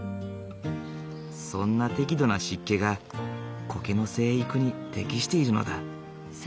そんな適度な湿気がコケの生育に適しているのだ。